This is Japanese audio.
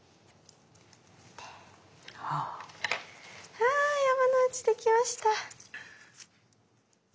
あ山之内できました。